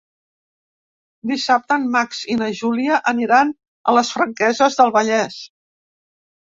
Dissabte en Max i na Júlia aniran a les Franqueses del Vallès.